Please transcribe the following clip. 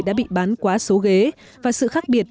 đã bị bán quá số ghế và sự khác biệt